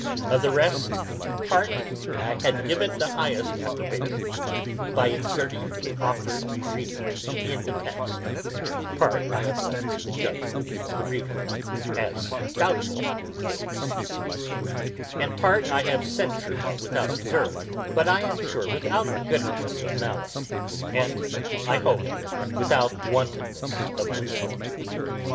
Of the rest, to part I have given the highest approbation, by inserting the offered reading in the text; part I have left to the judgment of the reader, as doubtful, though specious; and part I have censured without reserve, but I am sure without bitterness of malice, and, I hope, without wantonness of insult.